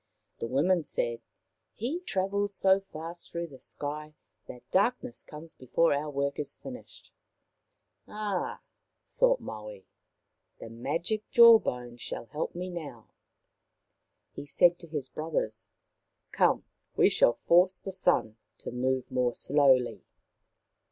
The women said, " He travels so fast through the sky that darkness comes before our work is finished." " Ah," thought Maui, " the magic jaw bone shall help me now." He said to his brothers, " Come ! we shall force the Sun to move more slowly."